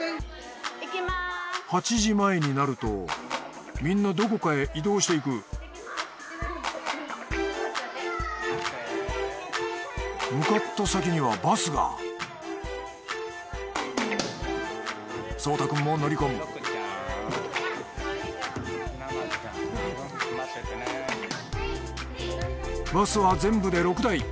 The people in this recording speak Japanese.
８時前になるとみんなどこかへ移動していく向かった先にはバスがそうたくんも乗り込むバスは全部で６台。